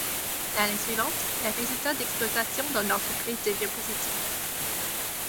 L'année suivante, le résultat d'exploitation de l'entreprise devient positif.